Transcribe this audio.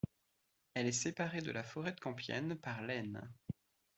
Elle est séparée de la forêt de Compiègne par l'Aisne.